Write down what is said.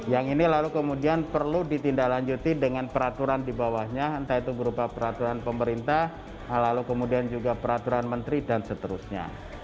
yang ini lalu kemudian perlu ditindaklanjuti dengan peraturan di bawahnya entah itu berupa peraturan pemerintah lalu kemudian juga peraturan menteri dan seterusnya